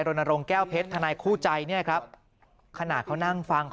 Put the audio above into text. รณรงค์แก้วเพชรทนายคู่ใจเนี่ยครับขณะเขานั่งฟังเขา